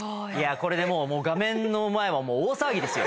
これでもう画面の前は大騒ぎですよ。